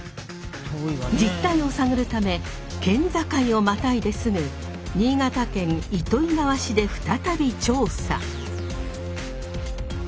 実態を探るため県境をまたいですぐ新潟県糸魚川市で再び調査。